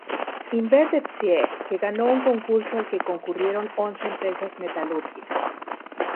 Imbert et Cie., que ganó un concurso al que concurrieron once empresas metalúrgicas.